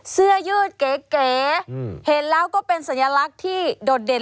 เสื้อยืดเก๋เห็นแล้วก็เป็นสัญลักษณ์ที่โดดเด่น